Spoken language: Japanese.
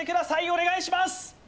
お願いします